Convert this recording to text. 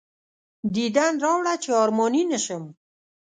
دیدن راوړه چې ارماني نه شم.